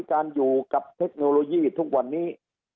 การอยู่กับเทคโนโลยีทุกวันนี้